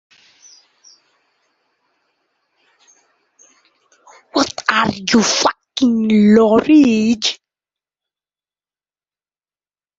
Timur সাগরে পরিচালিত হওয়া বৃহত্তম পেট্রোলিয়াম প্রকল্প হচ্ছে বায়ো-আনদান প্রকল্প, এটি পরিচালনা করে ককনোফিলিপস।